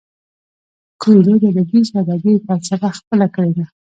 کویلیو د ادبي ساده ګۍ فلسفه خپله کړې ده.